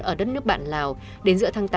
ở đất nước bạn lào đến giữa tháng tám